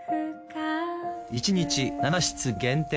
１日７室限定。